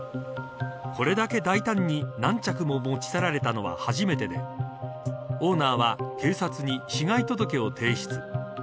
これだけ大胆に何着も持ち去られたのは初めてでオーナーは警察に被害届を提出。